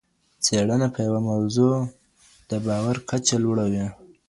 څېړنه په یوه موضوع د باور کچه لوړوي.